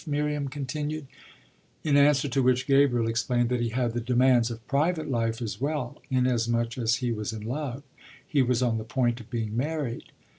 Miriam continued: in answer to which Gabriel explained that he had the demands of private life as well, inasmuch as he was in love he was on the point of being married.